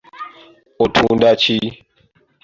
Otunda ki?